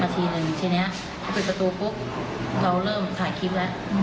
ทีหนึ่งทีนี้พอปิดประตูปุ๊บเราเริ่มถ่ายคลิปแล้ว